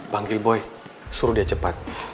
panggil boy suruh dia cepat